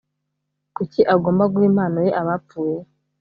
kuki agomba guha impano ye abapfuye